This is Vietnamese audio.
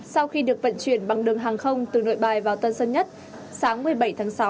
sau khi được vận chuyển bằng đường hàng không từ nội bài vào tân sân nhất sáng một mươi bảy tháng sáu